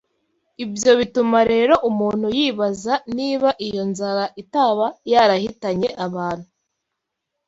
Ibyo bituma rero umuntu yibaza niba iyo nzara itaba yarahitanye abantu